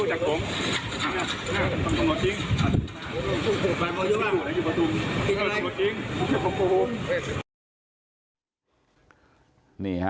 อันนี้ครับ